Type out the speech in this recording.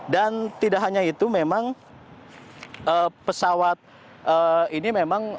dan tidak hanya itu memang pesawat ini memang